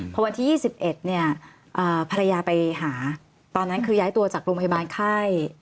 พอวันที่๒๑เนี่ยภรรยาไปหาตอนนั้นคือย้ายตัวจากโรงพยาบาลไข้